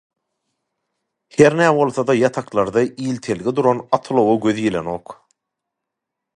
Hernä, bolsa-da, ýataklarda iltelgi duran at-ulag-a göze ilenok.